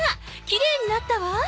きれいになったわ。